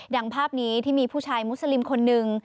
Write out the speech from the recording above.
ภาพนี้ที่มีผู้ชายมุสลิมคนหนึ่ง